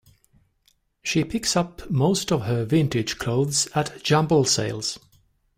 She picks up most of her vintage clothes at jumble sales